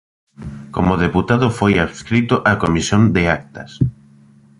Como deputado foi adscrito á Comisión de Actas.